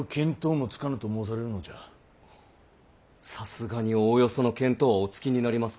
さすがにおおよその見当はおつきになりますかと。